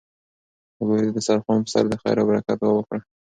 ګلالۍ د دسترخوان په سر د خیر او برکت دعا وکړه.